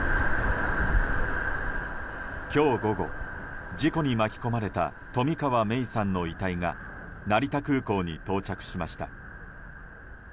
今日午後、事故に巻き込まれた冨川芽生さんの遺体が成田空港に到着しました。